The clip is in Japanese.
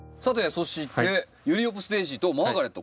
そしてユリオプスデージーとマーガレット